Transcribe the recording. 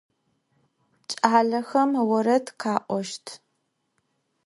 Ç'alexem vored kha'oşt.